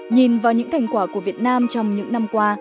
nhìn vào những thành quả của việt nam trong những năm qua